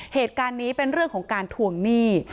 เหตุการณ์นี้เป็นเรื่องของการทวงหนี้